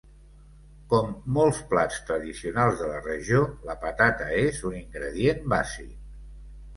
Com molts plats tradicionals de la regió, la patata és un ingredient bàsic.